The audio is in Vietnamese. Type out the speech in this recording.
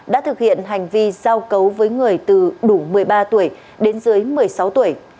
đã thực hiện hành vi giao cấu với người từ đủ một mươi ba tuổi đến dưới một mươi sáu tuổi